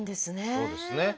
そうですね。